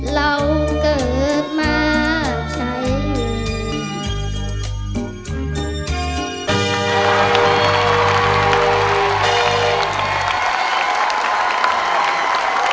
เราเกิดมาใช่อยู่